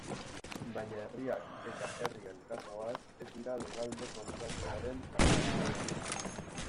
Baina herriak eta herri elkargoak ez dira Lurralde Kontratuaren partaideak.